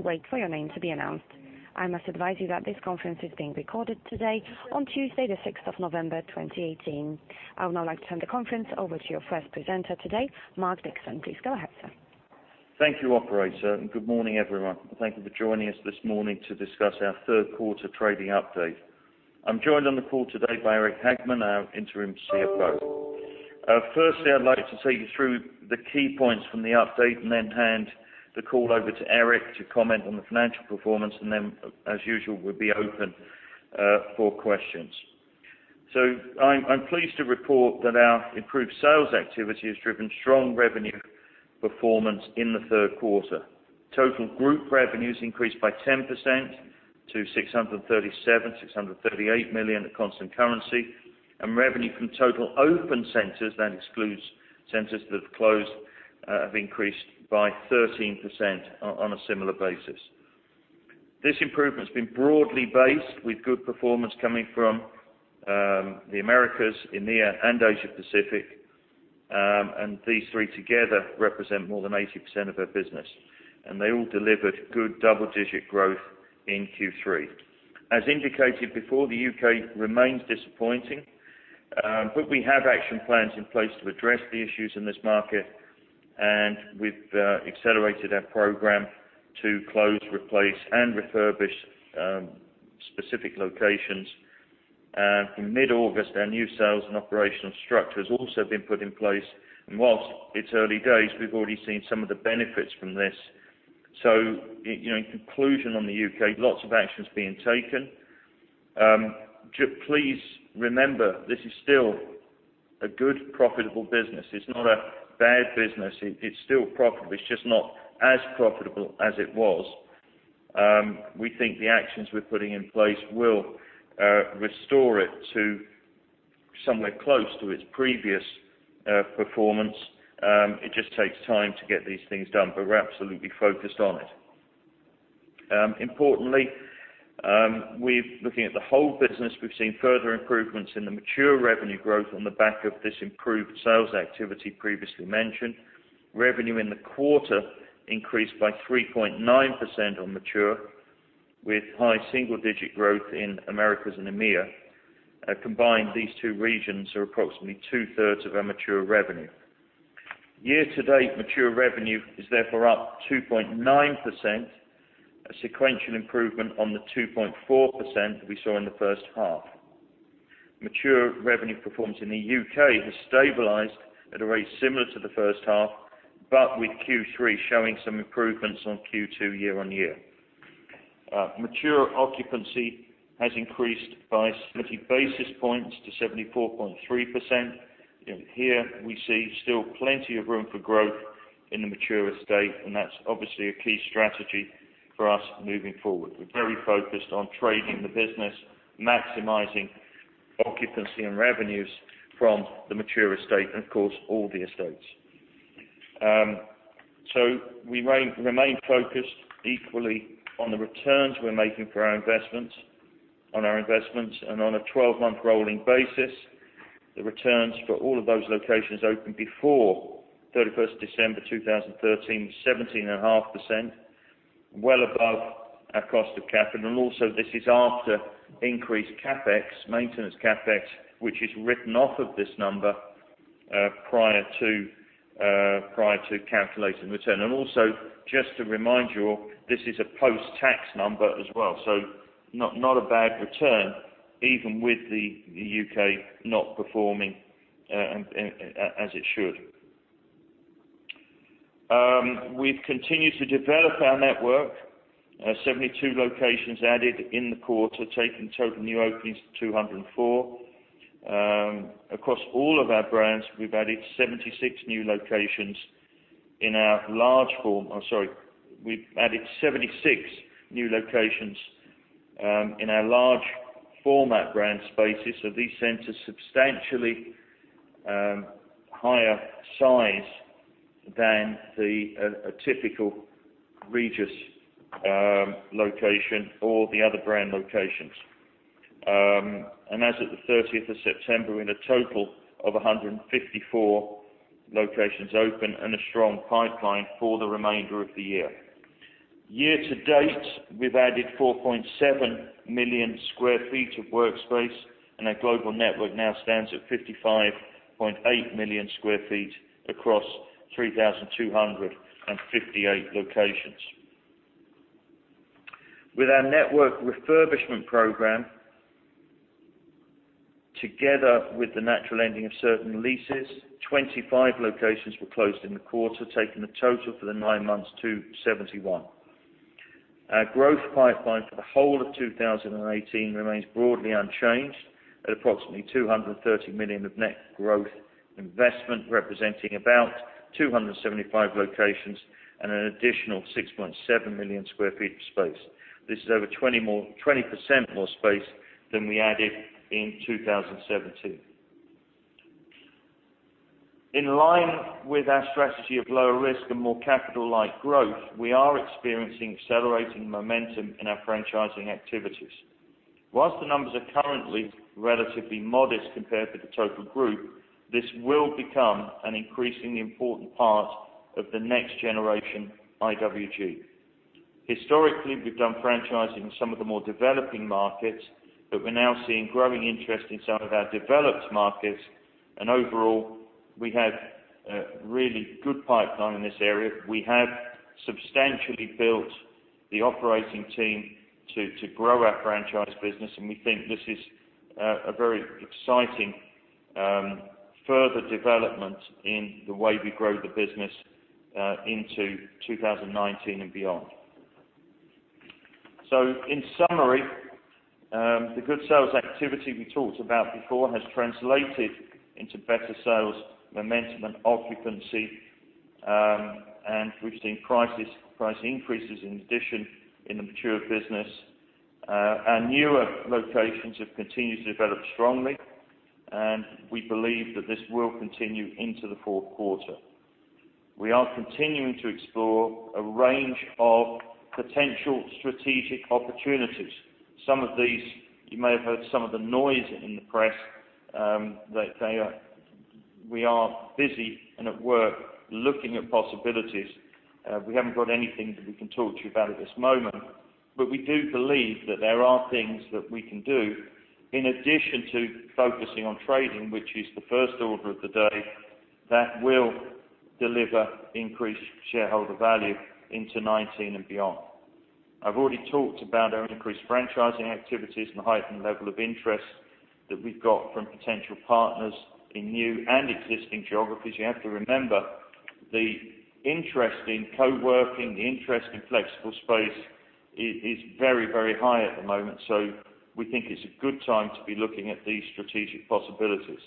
Wait for your name to be announced. I must advise you that this conference is being recorded today, on Tuesday the sixth of November, 2018. I would now like to turn the conference over to your first presenter today, Mark Dixon. Please go ahead, sir. Thank you, operator. Good morning, everyone. Thank you for joining us this morning to discuss our third quarter trading update. I'm joined on the call today by Eric Hageman, our interim CFO. Firstly, I'd like to take you through the key points from the update and then hand the call over to Eric to comment on the financial performance, and then, as usual, we'll be open for questions. I'm pleased to report that our improved sales activity has driven strong revenue performance in the third quarter. Total group revenues increased by 10% to 637 million, 638 million at constant currency. Revenue from total open centers, that excludes centers that have closed, have increased by 13% on a similar basis. This improvement has been broadly based with good performance coming from the Americas, EMEA, and Asia Pacific. These three together represent more than 80% of our business. They all delivered good double-digit growth in Q3. As indicated before, the U.K. remains disappointing. We have action plans in place to address the issues in this market. We've accelerated our program to close, replace, and refurbish specific locations. In mid-August, our new sales and operational structure has also been put in place. Whilst it's early days, we've already seen some of the benefits from this. In conclusion on the U.K., lots of actions being taken. Please remember, this is still a good, profitable business. It's not a bad business. It's still profitable. It's just not as profitable as it was. We think the actions we're putting in place will restore it to somewhere close to its previous performance. It just takes time to get these things done. We're absolutely focused on it. Importantly, looking at the whole business, we've seen further improvements in the mature revenue growth on the back of this improved sales activity previously mentioned. Revenue in the quarter increased by 3.9% on mature with high single-digit growth in Americas and EMEA. Combined, these two regions are approximately two-thirds of our mature revenue. Year to date, mature revenue is therefore up 2.9%, a sequential improvement on the 2.4% we saw in the first half. Mature revenue performance in the U.K. has stabilized at a rate similar to the first half, with Q3 showing some improvements on Q2 year-on-year. Mature occupancy has increased by 30 basis points to 74.3%. Here we see still plenty of room for growth in the mature estate. That's obviously a key strategy for us moving forward. We're very focused on trading the business, maximizing occupancy and revenues from the mature estate. Of course, all the estates. We remain focused equally on the returns we're making for our investments, on our investments, and on a 12-month rolling basis, the returns for all of those locations opened before 31st December 2013 were 17.5%, well above our cost of capital. This is after increased maintenance CapEx, which is written off of this number prior to calculating return. Also, just to remind you all, this is a post-tax number as well. Not a bad return even with the U.K. not performing as it should. We've continued to develop our network. 72 locations added in the quarter, taking total new openings to 204. Across all of our brands, we've added 76 new locations in our large format brand Spaces. These centers substantially higher size than a typical Regus location or the other brand locations. As of the 30th of September, we had a total of 154 locations open and a strong pipeline for the remainder of the year. Year to date, we've added 4.7 million sq ft of workspace. Our global network now stands at 55.8 million sq ft across 3,258 locations. With our network refurbishment program, together with the natural ending of certain leases, 25 locations were closed in the quarter, taking the total for the 9 months to 71. Our growth pipeline for the whole of 2018 remains broadly unchanged at approximately 230 million of net growth investment, representing about 275 locations and an additional 6.7 million sq ft of space. This is over 20% more space than we added in 2017. In line with our strategy of lower risk and more capital-light growth, we are experiencing accelerating momentum in our franchising activities. Whilst the numbers are currently relatively modest compared with the total group, this will become an increasingly important part of the next generation IWG. Historically, we've done franchising in some of the more developing markets. We're now seeing growing interest in some of our developed markets. Overall, we have a really good pipeline in this area. We have substantially built the operating team to grow our franchise business. We think this is a very exciting further development in the way we grow the business into 2019 and beyond. In summary, the good sales activity we talked about before has translated into better sales momentum and occupancy. We've seen price increases in addition in the mature business. Our newer locations have continued to develop strongly. We believe that this will continue into the fourth quarter. We are continuing to explore a range of potential strategic opportunities. Some of these, you may have heard some of the noise in the press, that we are busy and at work looking at possibilities. We haven't got anything that we can talk to you about at this moment, but we do believe that there are things that we can do in addition to focusing on trading, which is the first order of the day, that will deliver increased shareholder value into 2019 and beyond. I've already talked about our increased franchising activities and the heightened level of interest that we've got from potential partners in new and existing geographies. You have to remember, the interest in co-working, the interest in flexible space, is very high at the moment. So we think it's a good time to be looking at these strategic possibilities.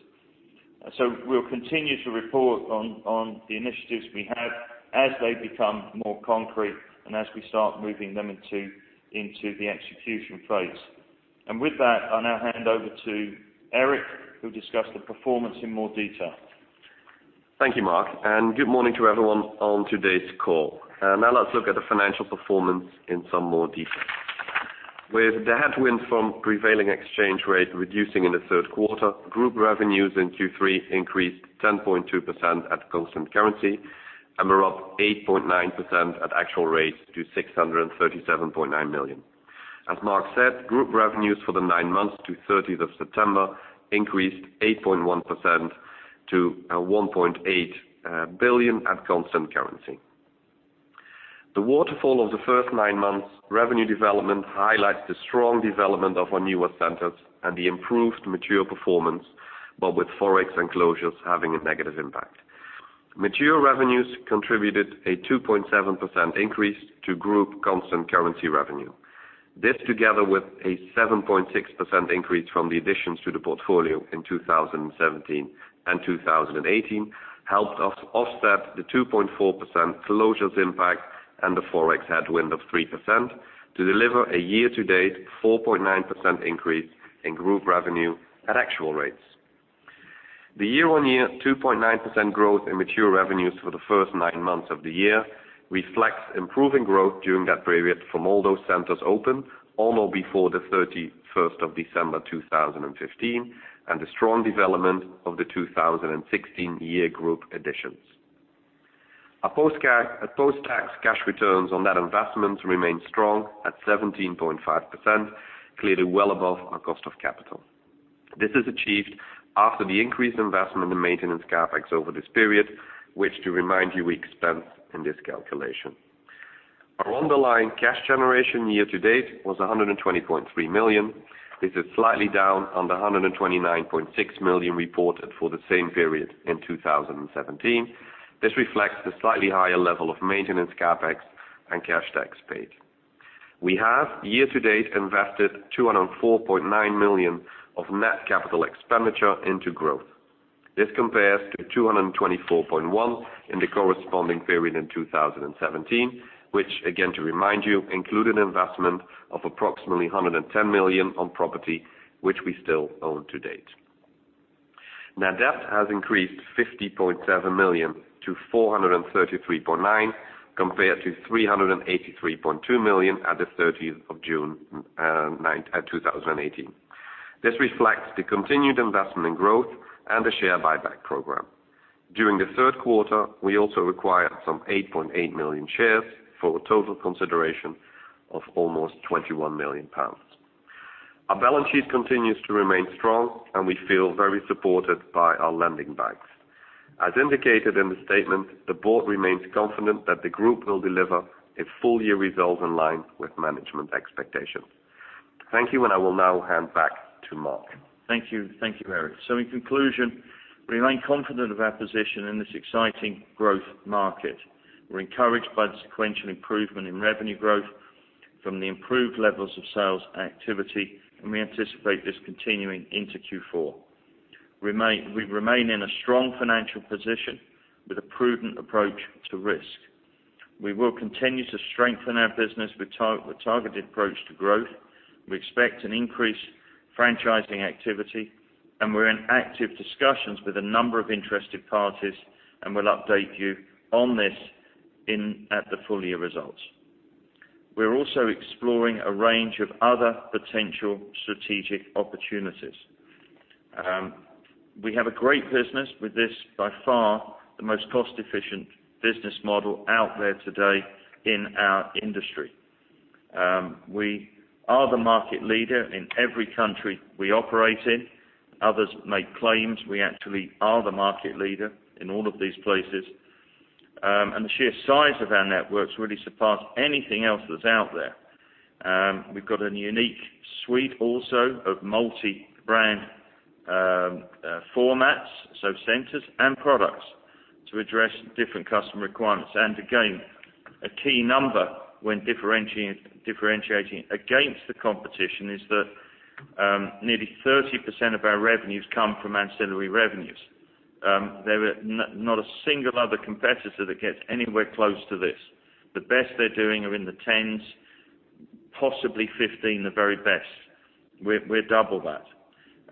We'll continue to report on the initiatives we have as they become more concrete and as we start moving them into the execution phase. With that, I'll now hand over to Eric, who'll discuss the performance in more detail. Thank you, Mark, and good morning to everyone on today's call. Let's look at the financial performance in some more detail. With the headwind from prevailing exchange rate reducing in the third quarter, group revenues in Q3 increased 10.2% at constant currency and were up 8.9% at actual rates to 637.9 million. As Mark said, group revenues for the nine months to 30th of September increased 8.1% to 1.8 billion at constant currency. The waterfall of the first nine months revenue development highlights the strong development of our newer centers and the improved mature performance, but with ForEx and closures having a negative impact. Mature revenues contributed a 2.7% increase to group constant currency revenue. This, together with a 7.6% increase from the additions to the portfolio in 2017 and 2018, helped us offset the 2.4% closures impact and the ForEx headwind of 3%, to deliver a year-to-date 4.9% increase in group revenue at actual rates. The year-on-year 2.9% growth in mature revenues for the first nine months of the year reflects improving growth during that period from all those centers open on or before the 31st of December 2015, and the strong development of the 2016 year group additions. Our post-tax cash returns on that investment remain strong at 17.5%, clearly well above our cost of capital. This is achieved after the increased investment in maintenance CapEx over this period, which, to remind you, we expense in this calculation. Our underlying cash generation year to date was 120.3 million. This is slightly down on the 129.6 million reported for the same period in 2017. This reflects the slightly higher level of maintenance CapEx and cash tax paid. We have, year to date, invested 204.9 million of net capital expenditure into growth. This compares to 224.1 million in the corresponding period in 2017, which, again, to remind you, included investment of approximately 110 million on property which we still own to date. Net debt has increased 50.7 million to 433.9 million, compared to 383.2 million at the 30th of June 2018. This reflects the continued investment in growth and the share buyback program. During the third quarter, we also acquired some 8.8 million shares for a total consideration of almost 21 million pounds. Our balance sheet continues to remain strong, and we feel very supported by our lending banks. As indicated in the statement, the board remains confident that the group will deliver its full-year results in line with management expectations. Thank you. I will now hand back to Mark. Thank you, Eric. In conclusion, we remain confident of our position in this exciting growth market. We're encouraged by the sequential improvement in revenue growth from the improved levels of sales activity, we anticipate this continuing into Q4. We remain in a strong financial position with a prudent approach to risk. We will continue to strengthen our business with targeted approach to growth. We expect an increased franchising activity, we're in active discussions with a number of interested parties, we'll update you on this in at the full year results. We're also exploring a range of other potential strategic opportunities. We have a great business with this, by far, the most cost-efficient business model out there today in our industry. We are the market leader in every country we operate in. Others make claims, we actually are the market leader in all of these places. The sheer size of our networks really surpass anything else that's out there. We've got a unique suite also of multi-brand formats, so centers and products, to address different customer requirements. Again, a key number when differentiating against the competition is that nearly 30% of our revenues come from ancillary revenues. There is not a single other competitor that gets anywhere close to this. The best they're doing are in the 10s, possibly 15, the very best. We're double that.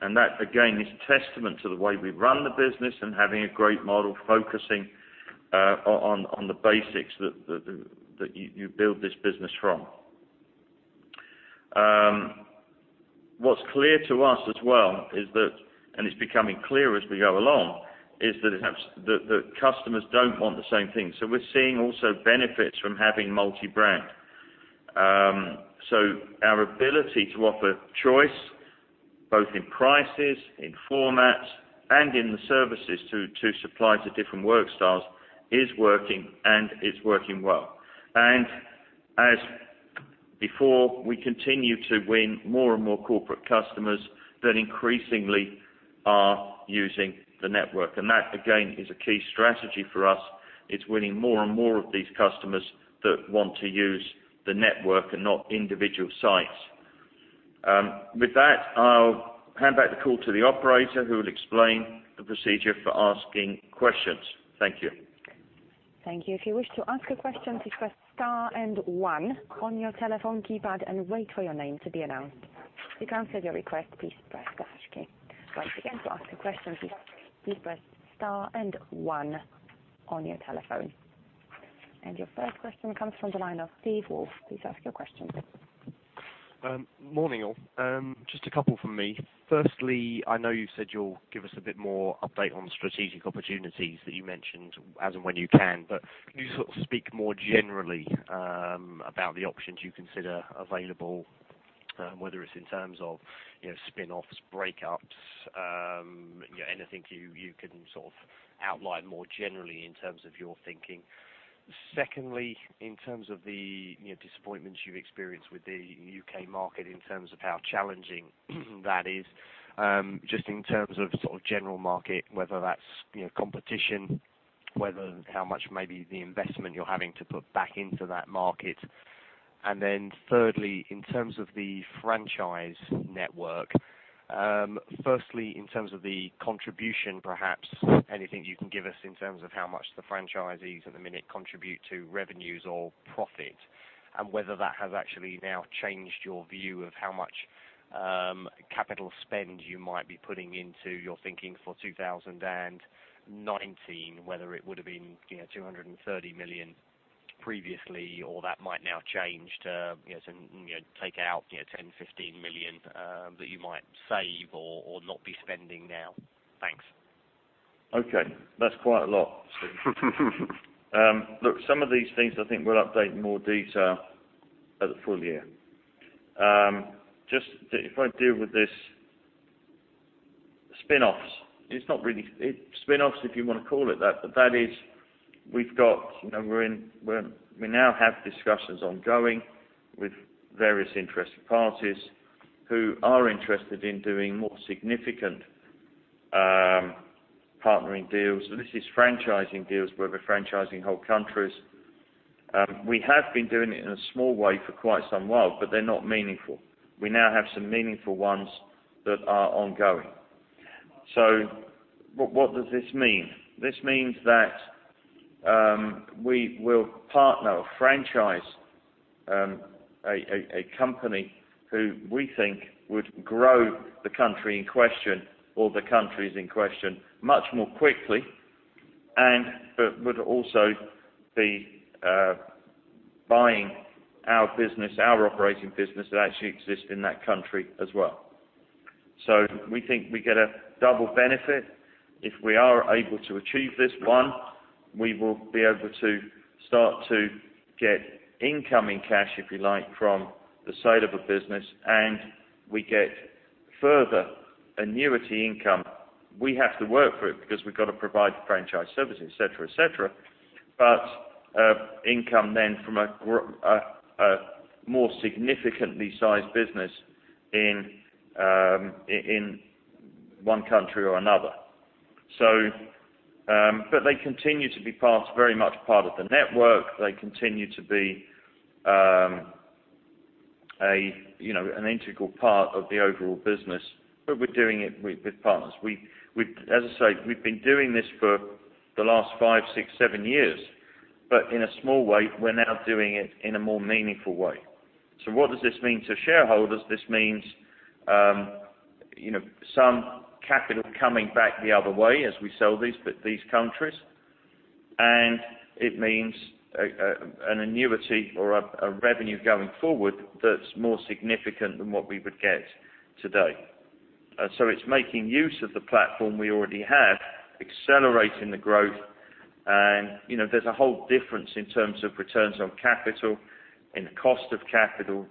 That, again, is a testament to the way we run the business and having a great model focusing on the basics that you build this business from. What's clear to us as well is that, it's becoming clear as we go along, is that the customers don't want the same thing. We're seeing also benefits from having multi-brand. Our ability to offer choice, both in prices, in formats, and in the services to supply to different work styles is working and it's working well. As before, we continue to win more and more corporate customers that increasingly are using the network. That, again, is a key strategy for us. It's winning more and more of these customers that want to use the network and not individual sites. With that, I'll hand back the call to the operator who will explain the procedure for asking questions. Thank you. Thank you. If you wish to ask a question, please press star and one on your telephone keypad and wait for your name to be announced. To cancel your request, please press the hash key. Once again, to ask a question, please press star and one on your telephone. Your first question comes from the line of Stephen Wolf. Please ask your question. Morning, all. Just a couple from me. Firstly, I know you said you'll give us a bit more update on strategic opportunities that you mentioned as and when you can, but can you sort of speak more generally about the options you consider available, whether it's in terms of spinoffs, breakups, anything you can sort of outline more generally in terms of your thinking? Secondly, in terms of the disappointments you've experienced with the U.K. market in terms of how challenging that is, just in terms of sort of general market, whether that's competition, whether how much maybe the investment you're having to put back into that market. Thirdly, in terms of the franchise network. Firstly, in terms of the contribution, perhaps anything you can give us in terms of how much the franchisees at the minute contribute to revenues or profit, and whether that has actually now changed your view of how much capital spend you might be putting into your thinking for 2019, whether it would have been 230 million previously or that might now change to take out 10 million-15 million that you might save or not be spending now. Thanks. Okay. That's quite a lot. Look, some of these things I think we'll update in more detail at the full year. If I deal with this spinoffs. Spinoffs, if you want to call it that, but that is we now have discussions ongoing with various interested parties who are interested in doing more significant partnering deals. This is franchising deals where we're franchising whole countries. We have been doing it in a small way for quite some while, but they're not meaningful. We now have some meaningful ones that are ongoing. What does this mean? This means that we will partner or franchise a company who we think would grow the country in question, or the countries in question, much more quickly, but would also be buying our business, our operating business, that actually exists in that country as well. We think we get a double benefit if we are able to achieve this. One, we will be able to start to get incoming cash, if you like, from the sale of a business, and we get further annuity income. We have to work for it because we've got to provide the franchise services, et cetera. Income then from a more significantly sized business in one country or another. They continue to be very much part of the network. They continue to be an integral part of the overall business, but we're doing it with partners. As I say, we've been doing this for the last five, six, seven years, but in a small way. We're now doing it in a more meaningful way. What does this mean to shareholders? This means some capital coming back the other way as we sell these countries, and it means an annuity or a revenue going forward that's more significant than what we would get today. It's making use of the platform we already have, accelerating the growth, and there's a whole difference in terms of returns on capital, in cost of capital.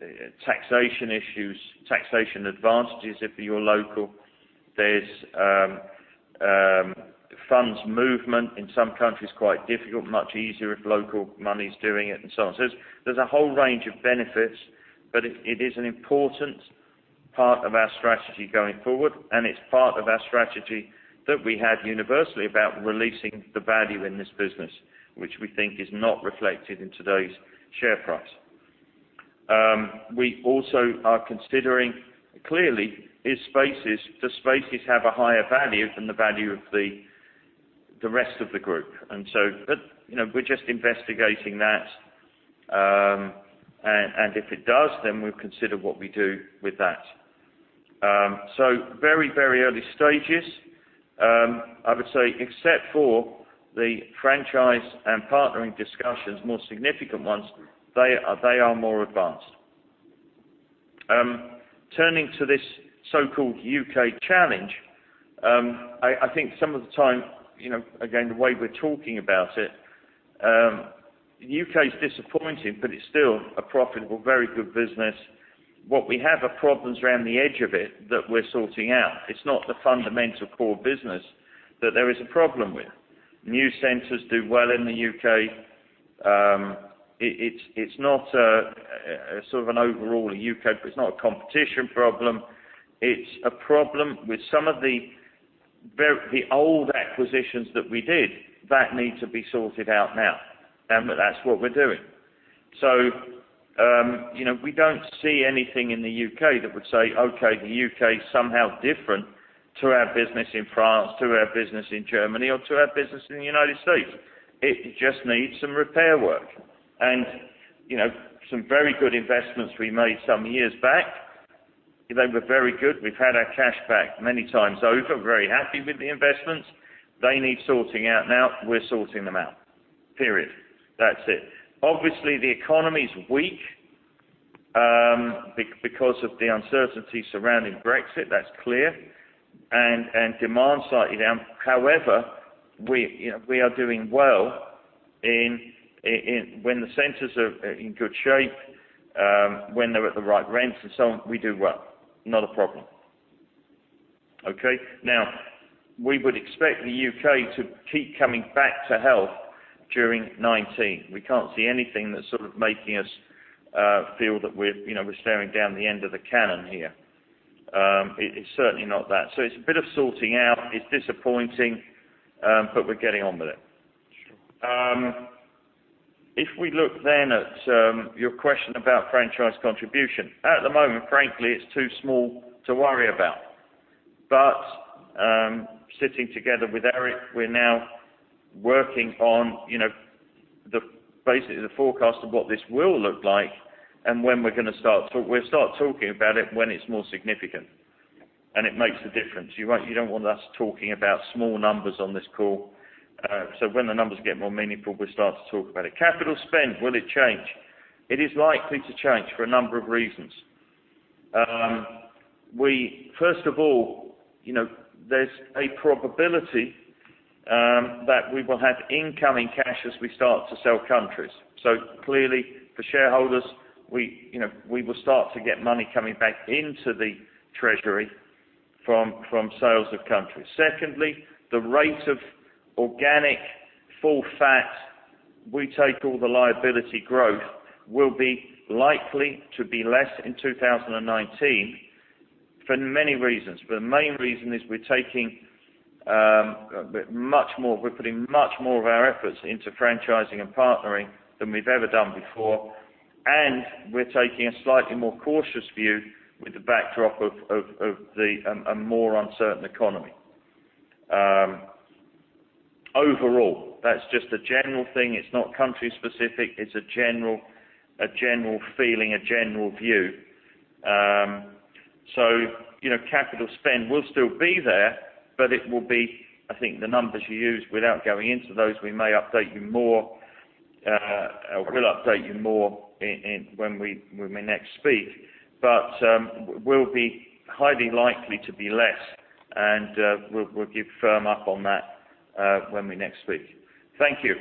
There's taxation issues, taxation advantages if you're local. There's funds movement in some countries, quite difficult, much easier if local money's doing it, and so on. There's a whole range of benefits. It is an important part of our strategy going forward, and it's part of our strategy that we had universally about releasing the value in this business, which we think is not reflected in today's share price. We also are considering, clearly, does Spaces have a higher value than the value of the rest of the group? We're just investigating that, and if it does, then we'll consider what we do with that. Very early stages. I would say except for the franchise and partnering discussions, more significant ones, they are more advanced. Turning to this so-called U.K. challenge, I think some of the time, again, the way we're talking about it, U.K.'s disappointing, but it's still a profitable, very good business. What we have are problems around the edge of it that we're sorting out. It's not the fundamental core business that there is a problem with. New centers do well in the U.K. It's not a sort of an overall U.K., but it's not a competition problem. It's a problem with some of the old acquisitions that we did that need to be sorted out now, and that's what we're doing. We don't see anything in the U.K. that would say, okay, the U.K. is somehow different to our business in France, to our business in Germany, or to our business in the United States. It just needs some repair work. Some very good investments we made some years back, they were very good. We've had our cash back many times over, very happy with the investments. They need sorting out now. We're sorting them out, period. That's it. Obviously, the economy's weak because of the uncertainty surrounding Brexit, that's clear, and demand is slightly down. However, we are doing well. When the centers are in good shape, when they're at the right rents and so on, we do well. Not a problem. Okay. We would expect the U.K. to keep coming back to health during 2019. We can't see anything that's sort of making us feel that we're staring down the end of the cannon here. It's certainly not that. It's a bit of sorting out. It's disappointing, but we're getting on with it. Sure. If we look at your question about franchise contribution. At the moment, frankly, it's too small to worry about. Sitting together with Eric, we're now working on basically the forecast of what this will look like and when we're going to start. We'll start talking about it when it's more significant and it makes a difference. You don't want us talking about small numbers on this call. When the numbers get more meaningful, we'll start to talk about it. Capital spend, will it change? It is likely to change for a number of reasons. First of all, there's a probability that we will have incoming cash as we start to sell countries. Clearly for shareholders, we will start to get money coming back into the treasury from sales of countries. Secondly, the rate of organic full-fat, we take all the liability growth will be likely to be less in 2019 for many reasons. The main reason is we're putting much more of our efforts into franchising and partnering than we've ever done before, and we're taking a slightly more cautious view with the backdrop of a more uncertain economy. Overall, that's just a general thing. It's not country specific. It's a general feeling, a general view. Capital spend will still be there, but it will be, I think the numbers you use, without going into those, we may update you more, or we'll update you more when we next speak. Will be highly likely to be less, and we'll give firm up on that when we next speak. Thank you.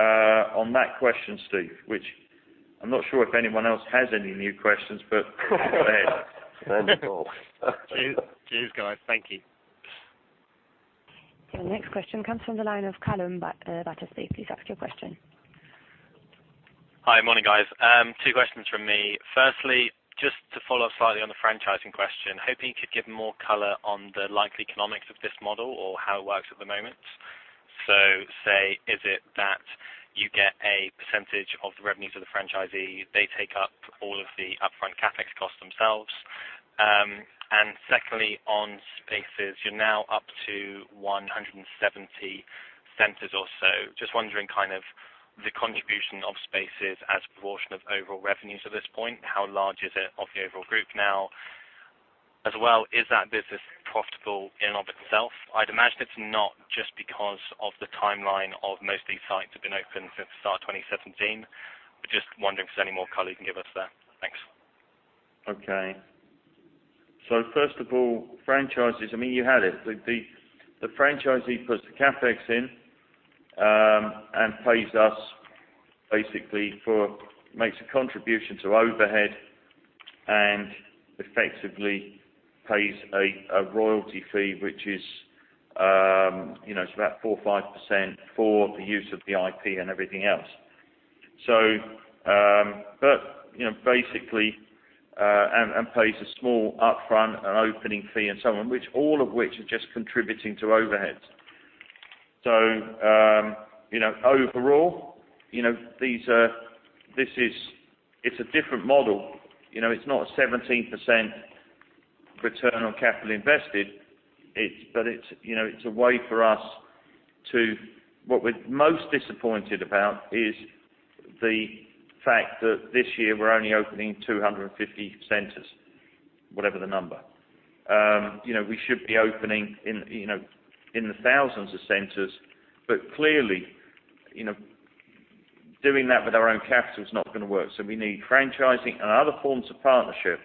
On that question, Steve, which I'm not sure if anyone else has any new questions, go ahead. Wonderful. Cheers, guys. Thank you. The next question comes from the line of Calum Battersby. Please ask your question. Hi. Morning, guys. Two questions from me. Firstly, just to follow up slightly on the franchising question, hoping you could give more color on the likely economics of this model or how it works at the moment. Say, is it that you get a percentage of the revenues of the franchisee? They take up all of the upfront CapEx costs themselves? Secondly, on Spaces, you're now up to 170 centers or so. Just wondering the contribution of Spaces as a proportion of overall revenues at this point, how large is it of the overall group now? As well, is that business profitable in and of itself? I'd imagine it's not, just because of the timeline of most of these sites have been open since the start of 2017. Just wondering if there's any more color you can give us there. Thanks. Okay. First of all, franchises, you had it. The franchisee puts the CapEx in and pays us, basically, makes a contribution to overhead and effectively pays a royalty fee, which is about 4%, 5% for the use of the IP and everything else. Pays a small upfront and opening fee and so on, all of which are just contributing to overhead. Overall, it's a different model. It's not a 17% return on capital invested. What we're most disappointed about is the fact that this year we're only opening 250 centers, whatever the number. We should be opening in the thousands of centers. Clearly, doing that with our own capital is not going to work. We need franchising and other forms of partnership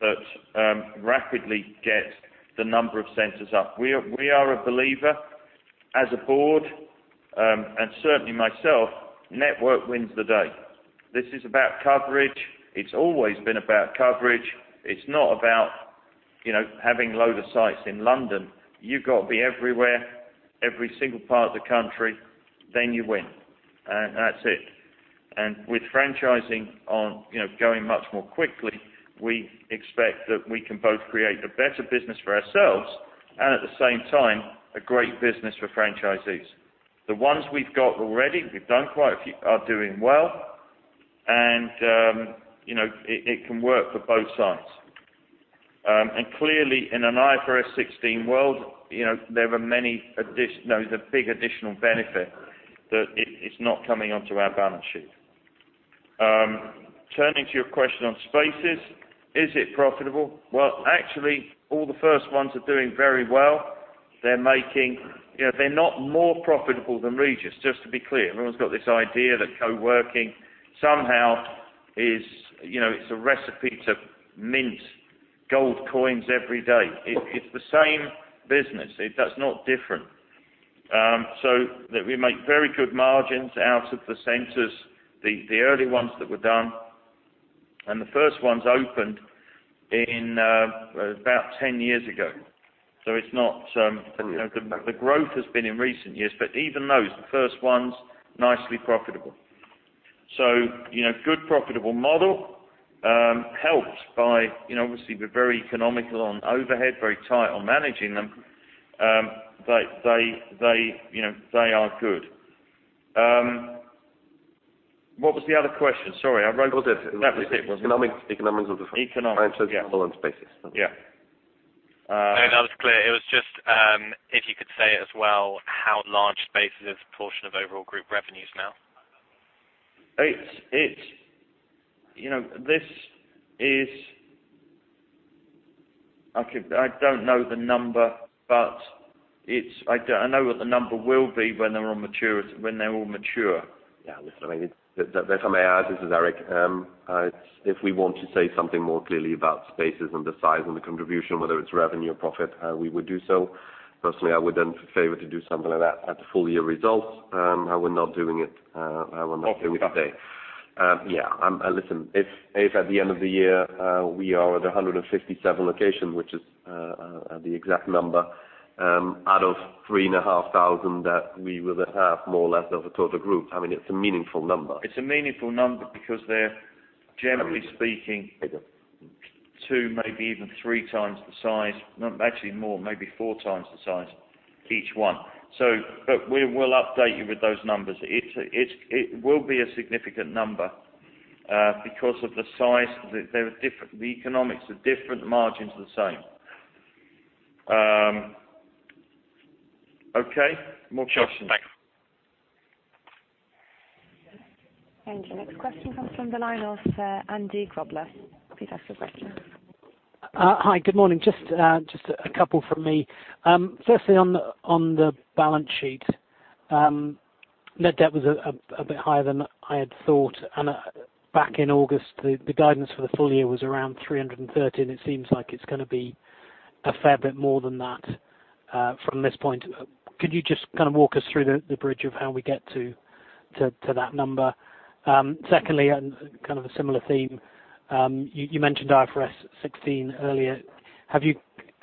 that rapidly get the number of centers up. We are a believer, as a board, and certainly myself, network wins the day. This is about coverage. It's always been about coverage. It's not about having load of sites in London. You've got to be everywhere, every single part of the country, then you win. That's it. With franchising going much more quickly, we expect that we can both create a better business for ourselves and, at the same time, a great business for franchisees. The ones we've got already, we've done quite a few, are doing well, and it can work for both sides. Clearly, in an IFRS 16 world, there is a big additional benefit that it's not coming onto our balance sheet. Turning to your question on Spaces. Is it profitable? Well, actually, all the first ones are doing very well. They're not more profitable than Regus, just to be clear. Everyone's got this idea that co-working somehow is a recipe to mint gold coins every day. It's the same business. That's not different. We make very good margins out of the centers, the early ones that were done, and the first ones opened about 10 years ago. The growth has been in recent years. Even those, the first ones, nicely profitable. Good profitable model, helped by, obviously, we're very economical on overhead, very tight on managing them. They are good. What was the other question? Sorry, I rambled. That was it. Economics- Economics, yeah. Spaces. Yeah. No, that was clear. It was just, if you could say as well, how large Spaces is a proportion of overall group revenues now? I don't know the number, but I know what the number will be when they're all mature. Yeah. Listen, if I may, this is Eric. If we want to say something more clearly about Spaces and the size and the contribution, whether it's revenue or profit, we would do so. Personally, I would then favor to do something like that at the full-year results. We're not doing it today. Okay. Yeah. Listen, if at the end of the year, we are at 157 location, which is the exact number, out of 3,500 that we will have more or less as a total group, it's a meaningful number. It's a meaningful number because they're, generally speaking, two, maybe even three times the size. Actually more, maybe four times the size, each one. We will update you with those numbers. It will be a significant number because of the size. The economics are different, the margins are the same. Okay. More questions. Sure. Thanks. Your next question comes from the line of Andy Grobler. Please ask your question. Hi. Good morning. Just a couple from me. Firstly, on the balance sheet. Net debt was a bit higher than I had thought. Back in August, the guidance for the full year was around 330, and it seems like it is going to be a fair bit more than that from this point. Could you just walk us through the bridge of how we get to that number? Secondly, kind of a similar theme. You mentioned IFRS 16 earlier. Have you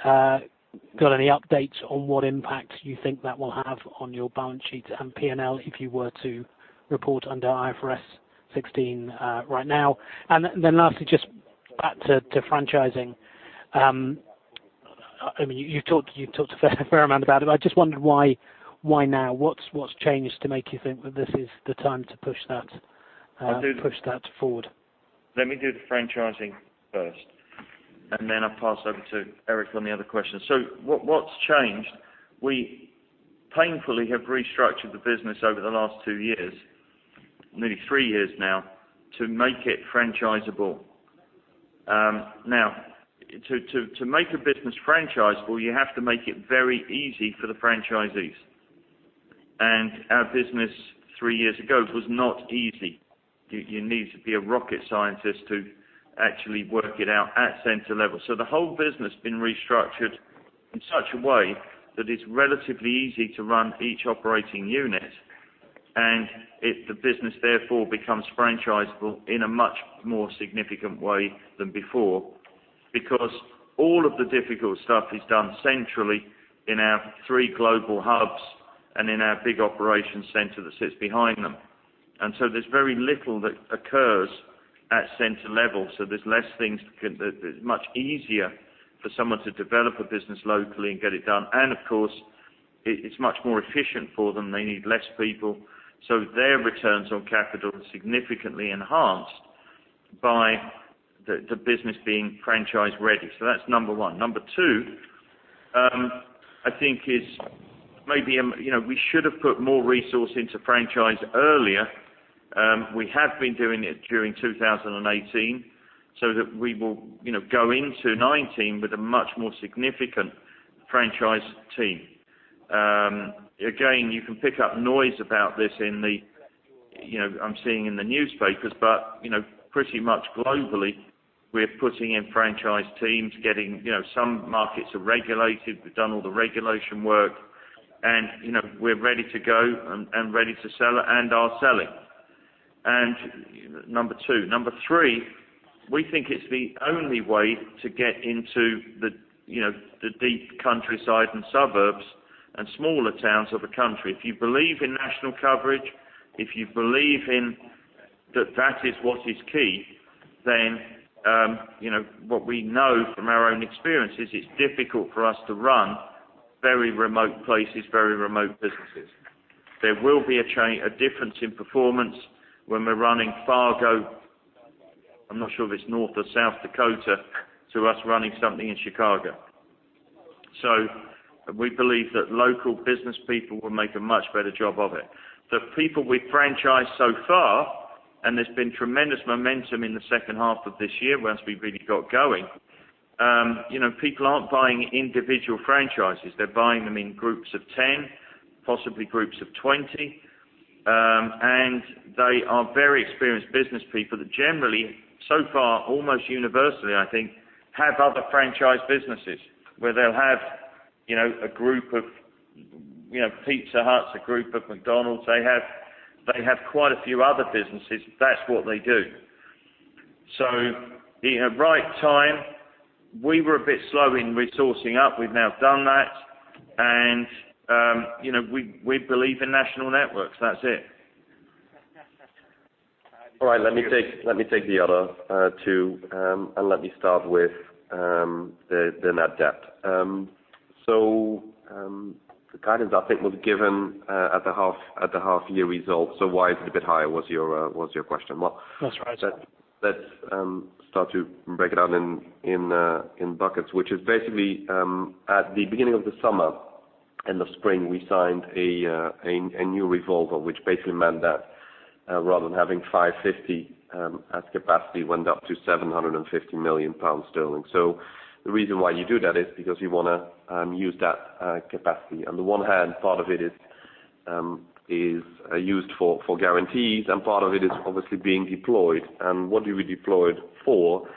got any updates on what impact you think that will have on your balance sheet and P&L if you were to report under IFRS 16 right now? Lastly, just back to franchising. You've talked a fair amount about it, but I just wondered why now? What's changed to make you think that this is the time to push that forward? Let me do the franchising first. Then I will pass over to Eric on the other question. What's changed, we painfully have restructured the business over the last two years, nearly three years now, to make it franchisable. Now, to make a business franchisable, you have to make it very easy for the franchisees. Our business three years ago was not easy. You need to be a rocket scientist to actually work it out at center level. The whole business has been restructured in such a way that it is relatively easy to run each operating unit, and the business therefore becomes franchisable in a much more significant way than before, because all of the difficult stuff is done centrally in our three global hubs and in our big operation center that sits behind them. There is very little that occurs at center level. It is much easier for someone to develop a business locally and get it done. Of course, it is much more efficient for them. They need less people, their returns on capital are significantly enhanced by the business being franchise-ready. That is number one. Number two, I think is maybe we should have put more resource into franchise earlier. We have been doing it during 2018 that we will go into 2019 with a much more significant franchise team. Again, you can pick up noise about this. I am seeing in the newspapers, but pretty much globally, we are putting in franchise teams, getting some markets are regulated. We have done all the regulation work, and we are ready to go and ready to sell it, and are selling. Number two. Number three, we think it is the only way to get into the deep countryside and suburbs and smaller towns of a country. If you believe in national coverage, if you believe in that is what is key, then what we know from our own experience is it is difficult for us to run very remote places, very remote businesses. There will be a difference in performance when we are running Fargo, I am not sure if it is North or South Dakota, to us running something in Chicago. We believe that local business people will make a much better job of it. The people we franchise so far, there has been tremendous momentum in the second half of this year once we really got going. People are not buying individual franchises. They are buying them in groups of 10, possibly groups of 20. They are very experienced business people that generally, so far, almost universally, I think, have other franchise businesses where they'll have a group of Pizza Hut, a group of McDonald's. They have quite a few other businesses. That's what they do. The right time, we were a bit slow in resourcing up. We've now done that and we believe in national networks. That's it. All right. Let me take the other two, and let me start with the net debt. The guidance, I think, was given at the half-year results. Why it's a bit high was your question. That's right. Let's start to break it down in buckets, which is basically, at the beginning of the summer, end of spring, we signed a new revolver, which basically meant that rather than having 550 as capacity, went up to 750 million sterling. The reason why you do that is because you want to use that capacity. On the one hand, part of it is used for guarantees, and part of it is obviously being deployed. What we deployed for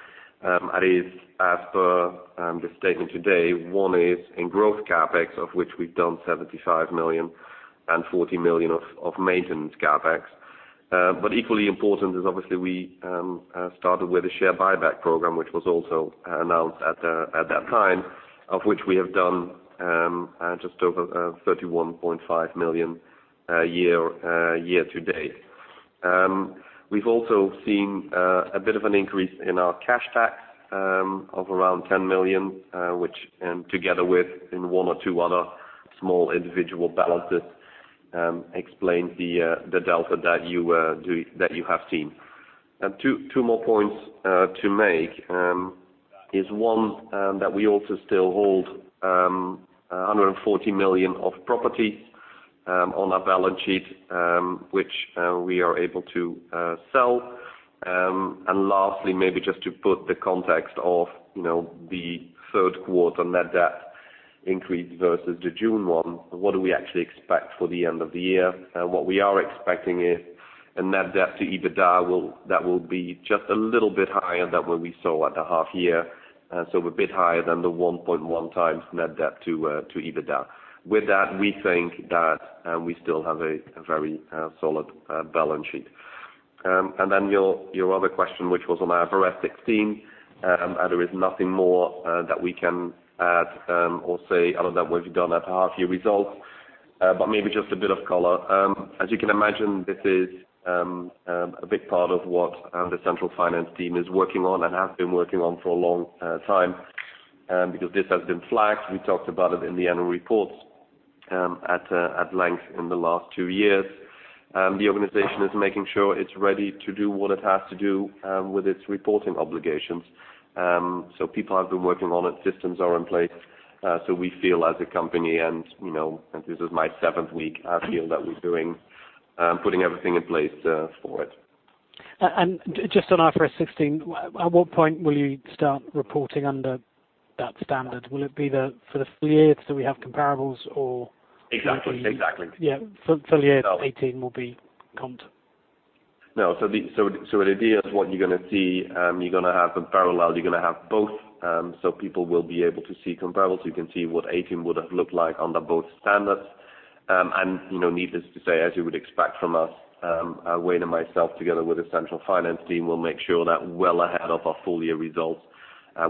that is as per this statement today, one is in growth CapEx, of which we've done 75 million and 40 million of maintenance CapEx. Equally important is obviously we started with a share buyback program, which was also announced at that time, of which we have done just over 31.5 million year to date. We've also seen a bit of an increase in our cash back of around 10 million, which together with in one or two other small individual balances, explains the delta that you have seen. Two more points to make, is one that we also still hold 140 million of property on our balance sheet, which we are able to sell. Lastly, maybe just to put the context of the third quarter net debt increase versus the June one, what do we actually expect for the end of the year? What we are expecting is a net debt to EBITDA, that will be just a little bit higher than what we saw at the half year. A bit higher than the 1.1 times net debt to EBITDA. With that, we think that we still have a very solid balance sheet. Your other question, which was on our IFRS 16, there is nothing more that we can add or say other than what we've done at our half year results. Maybe just a bit of color. As you can imagine, this is a big part of what the central finance team is working on and have been working on for a long time. This has been flagged, we talked about it in the annual reports at length in the last two years. The organization is making sure it's ready to do what it has to do with its reporting obligations. People have been working on it. Systems are in place. We feel as a company, and this is my seventh week, I feel that we're doing, putting everything in place for it. Just on IFRS 16, at what point will you start reporting under that standard? Will it be for the full year so we have comparables or Exactly. Yeah. Full year 2018 will be comp. No. The idea is what you're going to see, you're going to have a parallel. You're going to have both. People will be able to see comparables. You can see what 2018 would have looked like under both standards. Needless to say, as you would expect from us, Wayne and myself, together with the central finance team, will make sure that well ahead of our full year results,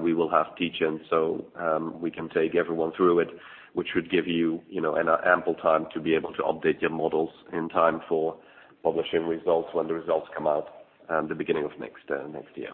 we will have teach-ins so we can take everyone through it, which would give you ample time to be able to update your models in time for publishing results when the results come out the beginning of next year